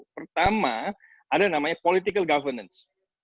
pertama ada yang namanya political governance